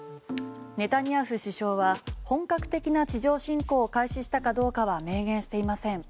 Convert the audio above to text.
ネタニヤフ首相は本格的な地上侵攻を開始したかどうかは明言していません。